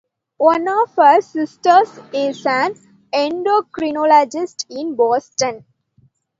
One of her sisters is an endocrinologist in Boston.